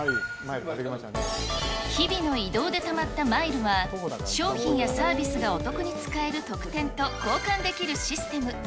日々の移動でたまったマイルは、商品やサービスがお得に使える特典と、交換できるシステム。